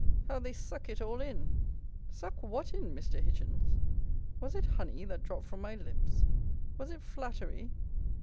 How they suck it all in." Suck what in, Mr. Hitchins? Was it honey that dropped from my lips? Was it flattery?